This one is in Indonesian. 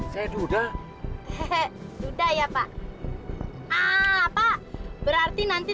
saya sudah hehehe sudah ya pak berarti nanti